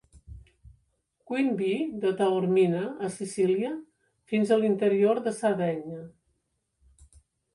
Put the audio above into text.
Queen Bee, de Taormina, a Sicília, fins a l'interior de Sardenya.